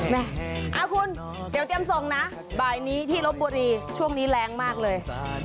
แม่คุณเดี๋ยวเตรียมส่งนะบ่ายนี้ที่ลบบุรีช่วงนี้แรงมากเลย